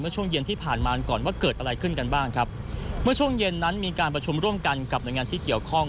ช่วงเย็นที่ผ่านมาก่อนว่าเกิดอะไรขึ้นกันบ้างครับเมื่อช่วงเย็นนั้นมีการประชุมร่วมกันกับหน่วยงานที่เกี่ยวข้อง